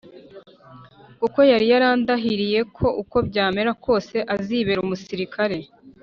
kuko yari yarandahiriye ko uko byamera kose azibera umusirikare